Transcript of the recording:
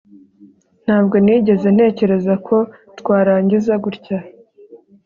ntabwo nigeze ntekereza ko twarangiza gutya